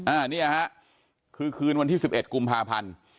อันนี้ฮะคือคืนวันที่๑๑กุมภาพันธ์